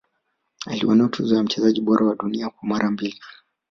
aliwania tuzo ya mchezaji bora wa dunia kwa mara mbili